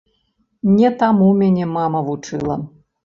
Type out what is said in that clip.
Не таму мяне мама вучыла.